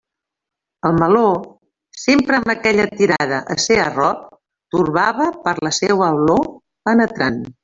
El meló, sempre amb aquella tirada a ser arrop, torbava per la seua olor penetrant.